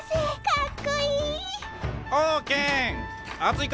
かっこいい！